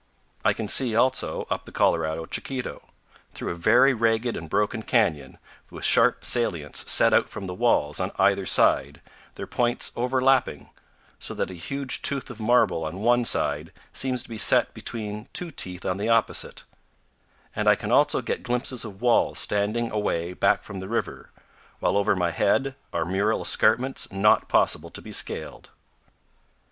I can see, also, up the Colorado Chiquito, through a very ragged and broken canyon, with sharp salients set out from the walls on either side, their points overlapping, so that a huge tooth of marble on one side seems to be set between two teeth on the opposite; and I can also get glimpses of walls standing away back from the river, while over my head are mural escarpments not possible to be scaled.